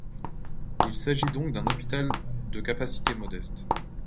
Il s'agit donc d'un hôpital de capacité modeste.